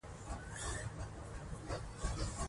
علمي او کلتوري بنسټونه جوړ کړو.